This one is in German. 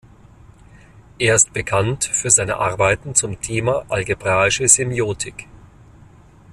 Er ist bekannt für seine Arbeiten zum Thema algebraische Semiotik.